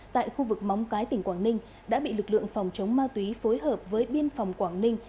tại khu vực móng cái tỉnh quảng ninh đã bị lực lượng phòng chống ma túy phối hợp với biên phòng quảng ninh